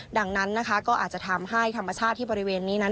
ดังนั้นนะคะก็อาจจะทำให้ธรรมชาติที่บริเวณนี้นั้น